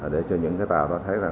để cho những tàu đã thấy